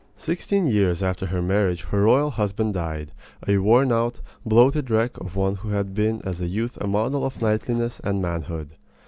Sixteen years after her marriage her royal husband died, a worn out, bloated wreck of one who had been as a youth a model of knightliness and manhood.